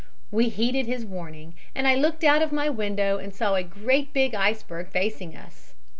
We heeded his warning, and I looked out of my window and saw a great big iceberg facing us.